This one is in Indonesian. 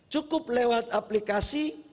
cukup lewat aplikasi